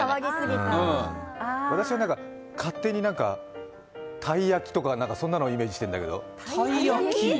私は勝手にたい焼きとか、そんなのイメージしてるんだけど。